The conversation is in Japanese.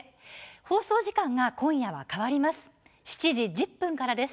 放送時間が今夜は変わります。